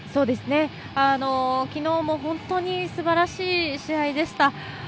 昨日も本当にすばらしい試合でした。